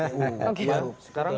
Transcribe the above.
sekarang kok mau politiknya ya